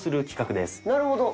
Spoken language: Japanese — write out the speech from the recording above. なるほど。